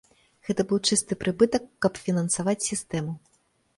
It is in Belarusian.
Гэты быў чысты прыбытак, каб фінансаваць сістэму.